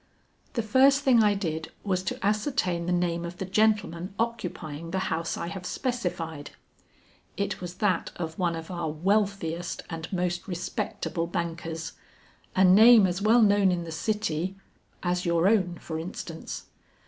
The first thing I did was to ascertain the name of the gentleman occupying the house I have specified. It was that of one of our wealthiest and most respectable bankers, a name as well known in the city as your own for instance.